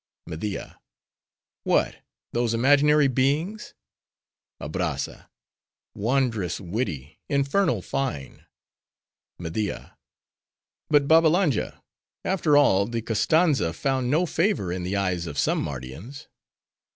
MEDIA—What! those imaginary beings? ABRAZZA—Wondrous witty! infernal fine! MEDIA—But, Babbalanja; after all, the Koztanza found no favor in the eyes of some Mardians.